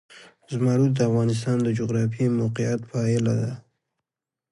زمرد د افغانستان د جغرافیایي موقیعت پایله ده.